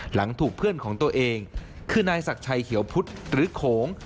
หลังถูกเพื่อนของตัวเองคือนายศักดิ์ชัยเขียวพุทธหรือโขง